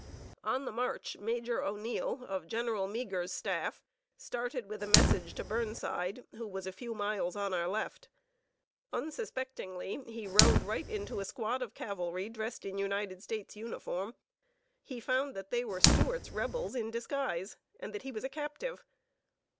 On the march, Major O'Neil, of General Meagher's staff, started with a message to Burnside, who was a few miles on our left. Unsuspectingly, he rode right into a squad of cavalry dressed in United States uniform. He found that they were Stuart's Rebels in disguise, and that he was a captive.